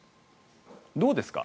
どうですか。